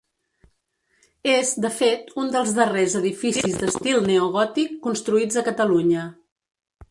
És, de fet, un dels darrers edificis d'estil neogòtic construïts a Catalunya.